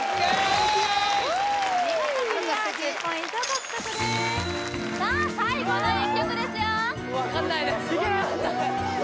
お見事クリア１０ポイント獲得ですさあ最後の１曲ですよ分かんないです